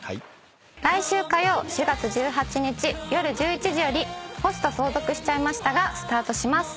来週火曜４月１８日夜１１時より『ホスト相続しちゃいました』がスタートします。